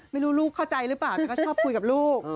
ลูกเข้าใจหรือเปล่าแต่ก็ชอบคุยกับลูก